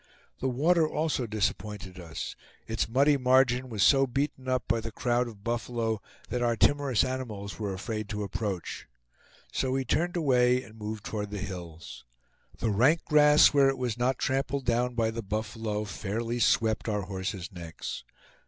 The water also disappointed us. Its muddy margin was so beaten up by the crowd of buffalo that our timorous animals were afraid to approach. So we turned away and moved toward the hills. The rank grass, where it was not trampled down by the buffalo, fairly swept our horses' necks.